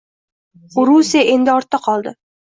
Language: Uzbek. O‘rusiya endi ortda qoldi.